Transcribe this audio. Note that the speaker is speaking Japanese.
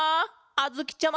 あづきちゃま！